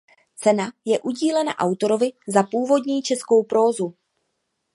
Cena je udílena autorovi za původní českou prózu.